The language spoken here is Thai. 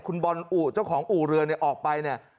คุณบอลอู่เจ้าของอู่เรือเนี่ยออกไปเนี่ย